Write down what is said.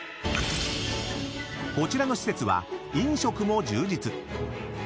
［こちらの施設は飲食も充実］